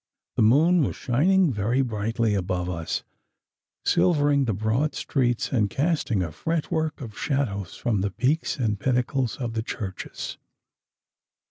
The moon was shining very brightly above us, silvering the broad streets, and casting a fretwork of shadows from the peaks and pinnacles of the churches.